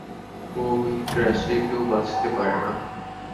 ওই ক্র্যাশে কেউ বাঁচতে পারে না।